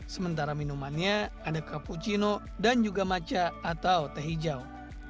sementara minumannya ada cappuccino dan juga macha atau teh hijau